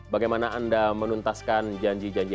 bagaimana anda menuntaskan janji janji